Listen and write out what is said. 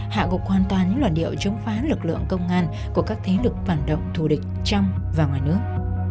hạ gục hoàn toàn những luận điệu chống phá lực lượng công an của các thế lực phản động thù địch trong và ngoài nước